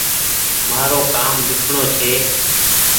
مآرو ڪآم ليکڻو ڇي